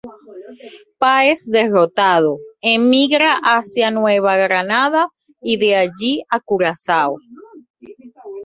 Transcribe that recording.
Páez derrotado, emigra hacia la Nueva Granada y de ahí a Curazao.